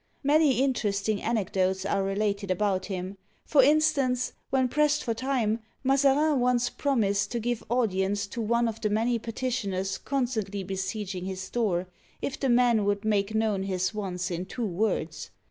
Many interesting anecdotes are related about him. For instance, when pressed for time, Mazarin once prom ised to give audience to one of the many petitioners constantly besieging his door, if the man would make known his wants in two words.